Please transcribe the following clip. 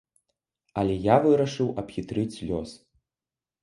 Але я вырашыў абхітрыць лёс.